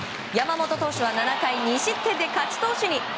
山本投手は７回２失点で勝ち投手に。